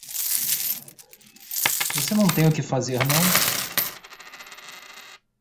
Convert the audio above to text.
Você não tem o que fazer não?